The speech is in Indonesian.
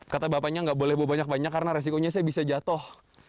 kata bapaknya nggak boleh bawa banyak banyak karena resikonya saya bisa jatuh